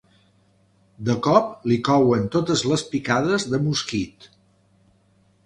De cop li couen totes les picades de mosquit.